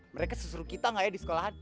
mereka sesuruh kita gak ya di sekolahan